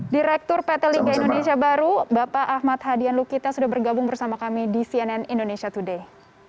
direktur pt liga indonesia baru bapak ahmad hadian lukita sudah bergabung bersama kami di cnn indonesia today